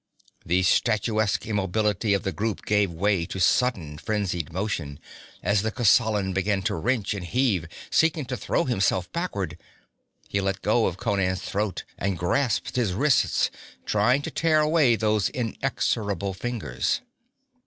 The statuesque immobility of the group gave way to sudden, frenzied motion, as the Kosalan began to wrench and heave, seeking to throw himself backward. He let go of Conan's throat and grasped his wrists, trying to tear away those inexorable fingers.